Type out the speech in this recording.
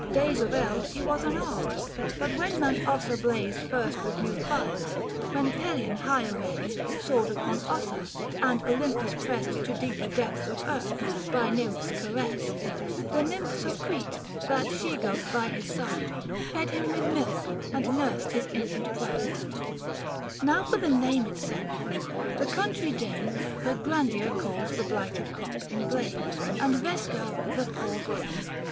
Days of eld 475 He was unarmed ; but Avhen Mount Ossa blazed Fust with new fires ; when Pelion higher raised Soared upon Ossa, and Olympus pressed To deeper depths of earth, — by Nymphs caressed, The Nymphs of Crete, that she goat by his side 480 Fed him with milk, and nursed his infant pride. G 2 84 THE FASTL Book III. Now for the name itself; the country dame Vegrandia calls the blighted crop in blame ; And Vesca the poor grain.